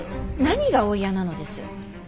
何がお嫌なのです。